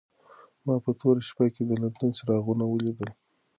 ما په توره شپه کې د لندن څراغونه ولیدل.